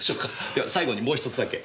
では最後にもう１つだけ。